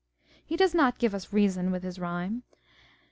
He does not " give us reason with his rhyme."